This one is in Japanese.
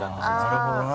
なるほどな。